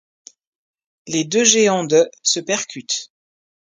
Les deux géants de se percutent.